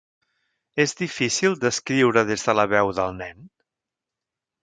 És difícil d’escriure des de la veu del nen?